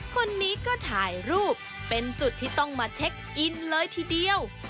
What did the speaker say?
คนนี้ก็ถ่ายรูปเป็นจุดที่ต้องมาเช็คอินเลยทีเดียว